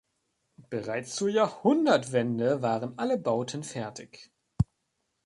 Bereits zur Jahrhundertwende waren alle Bauten fertig.